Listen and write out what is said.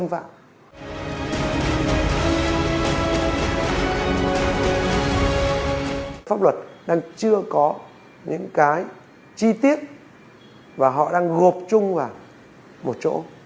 pháp luật đang chưa có những cái chi tiết và họ đang gộp chung vào một chỗ